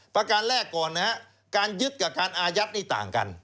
ประการแรกก่อนนะฮะการยึดกับการอายัดนี่ต่างกัน